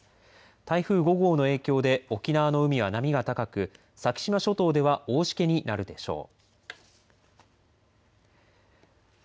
台風５号の影響で沖縄の海は波が高く先島諸島では大しけになるでしょう。